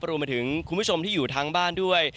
รวมไปถึงคุณผู้ชมที่อยู่ทางบ้านด้วย